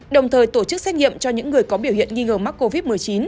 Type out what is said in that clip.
đồng thời tổ chức xét nghiệm cho những người có biểu hiện nghi ngờ mắc covid một mươi chín